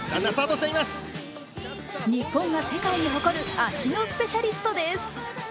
日本が世界に誇る足のスペシャリストです。